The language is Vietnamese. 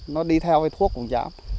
nó đi theo với thuốc cũng giảm